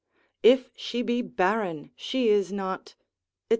If she be barren, she is not—&c.